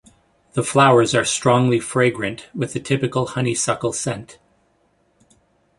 The flowers are strongly fragrant with the typical honeysuckle scent.